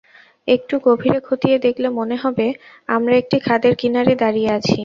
একটু গভীরে খতিয়ে দেখলে মনে হবে, আমরা একটি খাদের কিনারে দাঁড়িয়ে আছি।